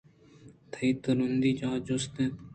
تئی ترٛندی ءَ آجِست